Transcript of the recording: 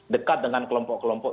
dekat dengan kelompok kelompok